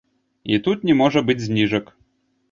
І тут не можа быць зніжак.